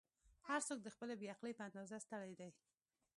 "هر څوک د خپلې بې عقلۍ په اندازه ستړی دی.